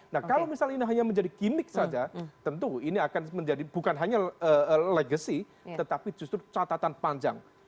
nah kalau misalnya ini hanya menjadi gimmick saja tentu ini akan menjadi bukan hanya legacy tetapi justru catatan panjang